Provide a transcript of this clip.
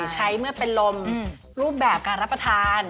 ใช้เมื่อเป็นลมรูปแบบการรับประทาน